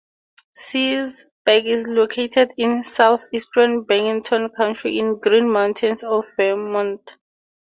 Searsburg is located in southeastern Bennington County in the Green Mountains of Vermont.